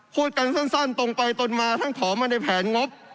พูดกันสั้นตรงไปตรงมาทั้งขอมาในแผนงบ